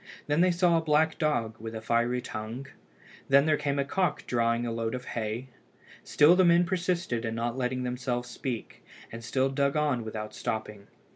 Then they saw a black dog with a fiery tongue. Then there came a cock drawing a load of hay. Still the men persisted in not letting themselves speak, and still dug on without stopping.